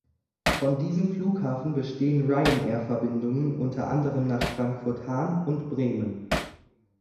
Von diesem Flughafen bestehen Ryanair-Verbindungen unter anderem nach Frankfurt-Hahn und Bremen.